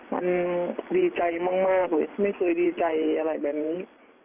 มันดีใจมากเลยไม่เคยดีใจอะไรแบบนี้